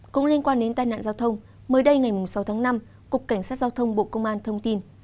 cũng liên quan đến tai nạn giao thông mới đây ngày sáu tháng năm cục cảnh sát giao thông bộ công an thông tin